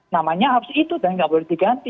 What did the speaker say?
namanya harus itu dan nggak boleh diganti